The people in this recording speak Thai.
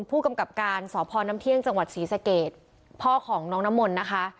ผู้กำกับการสพน้ำเที่ยงจังหวัดศรีสเกตพ่อของน้องน้ำมนต์นะคะ